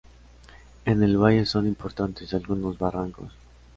En el valle son importantes algunos barrancos.